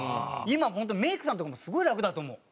今本当メイクさんとかもすごい楽だと思う。